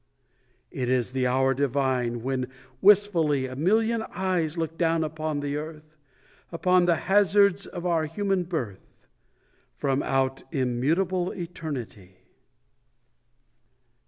It is the hour divine, when wistfully A million eyes look down upon the earth Upon the hazards of our human birth From out immutable eternity.